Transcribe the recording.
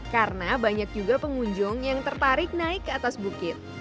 karena banyak juga pengunjung yang tertarik naik ke atas bukit